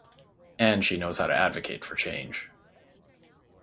And she knows how to advocate for change.